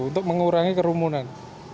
untuk mengurangi kerumunan